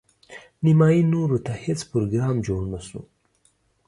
نیمايي نورو ته هیڅ پروګرام جوړ نه شو.